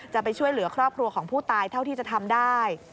จะไปช่วยเหลือครอบครัวของผู้ตายเท่าที่จะทำได้